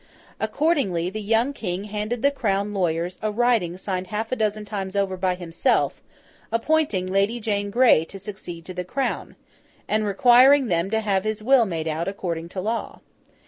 Accordingly the young King handed to the Crown lawyers a writing signed half a dozen times over by himself, appointing Lady Jane Grey to succeed to the Crown, and requiring them to have his will made out according to law.